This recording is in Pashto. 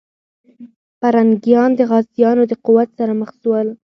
پرنګیان د غازيانو د قوت سره مخ سول.